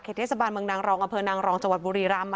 เทศบาลเมืองนางรองอำเภอนางรองจังหวัดบุรีรำ